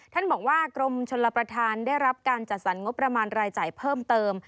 ท่านบอกว่ากรมชลประธานได้รับการจัดสรรงบประมาณรายจ่ายเพิ่มเติม